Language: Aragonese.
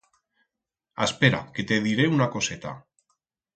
Aspera que te diré una coseta.